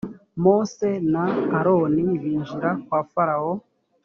mose na aroni binjira kwa farawo